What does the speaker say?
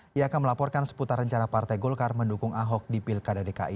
dia akan melaporkan seputar rencana partai golkar mendukung ahok di pilkada dki